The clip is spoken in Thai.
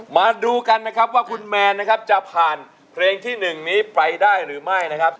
มาดูกันนะครับว่าคุณแมนนะครับจะผ่านเพลงที่๑นี้ไปได้หรือไม่นะครับ